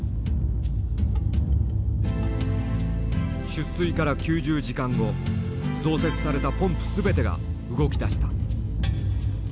出水から９０時間後増設されたポンプ全てが動き出した。